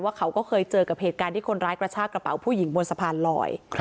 เขาก็เคยเจอกับเหตุการณ์ที่คนร้ายกระชากระเป๋าผู้หญิงบนสะพานลอย